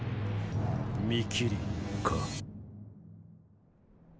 見切りか。